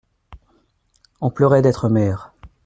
On pleurait d'être mère.